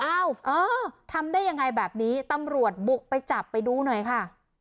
เออทำได้ยังไงแบบนี้ตำรวจบุกไปจับไปดูหน่อยค่ะ